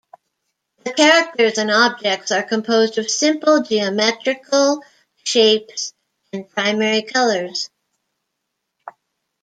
The characters and objects are composed of simple geometrical shapes and primary colors.